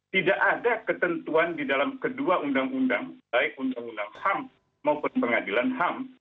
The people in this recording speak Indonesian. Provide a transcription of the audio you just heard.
tidak ada ketentuan di dalam kedua undang undang baik undang undang ham maupun pengadilan ham